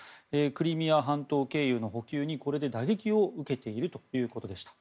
クリミア半島経由の補給にこれで打撃を受けているということでした。